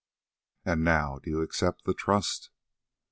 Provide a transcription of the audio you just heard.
"And now, do you accept the trust?"